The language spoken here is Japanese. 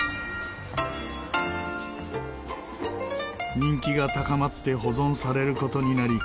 人気が高まって保存される事になり